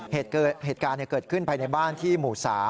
เหตุการณ์เกิดขึ้นภายในบ้านที่หมู่๓